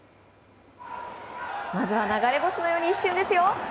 まずは流れ星のように一瞬ですよ。